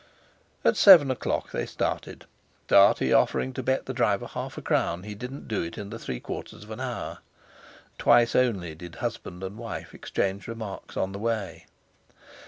At seven o'clock they started, Dartie offering to bet the driver half a crown he didn't do it in the three quarters of an hour. Twice only did husband and wife exchange remarks on the way.